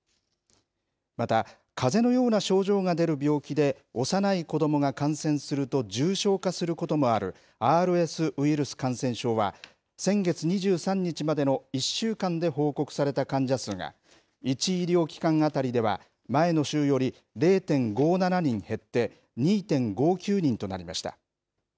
またかぜのような症状が出る病気で、幼い子どもが感染すると重症化することもあるＲＳウイルス感染症は、先月２３日までの１週間で報告された患者数が、１医療機関当たりでは、前の週より０．５７人減って、２．５９人となりました。